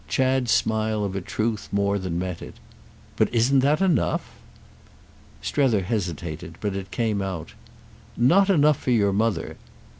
Chad's smile of a truth more than met it. "But isn't that enough?" Strether hesitated, but it came out. "Not enough for your mother!"